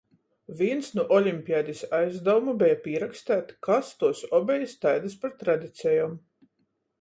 Vīns nu olimpiadis aizdavumu beja pīraksteit, kas tuos obejis taidys par tradicejom.